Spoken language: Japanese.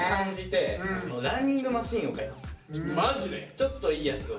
ちょっといいやつを。